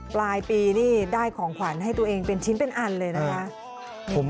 ปลายปีนี่ได้ของขวัญให้ตัวเองเป็นชิ้นเป็นอันเลยนะคะ